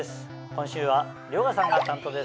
今週は遼河さんが担当です。